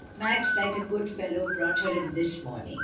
"Max, like a good fellow, brought her in this morning.